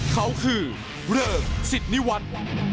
เขาคือเริ่งสิดนิวัตต์